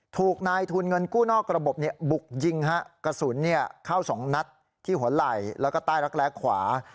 ถูกนายทุนเงินกู้นอกระบบบุกยิงกระสุนเข้าสองนัดที่หัวไหล่แล้วก็ใต้รักแร้ขวา